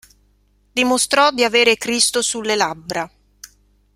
Dimostrò di avere Cristo sulle labbra.